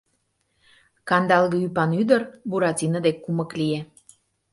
Кандалге ӱпан ӱдыр Буратино дек кумык лие: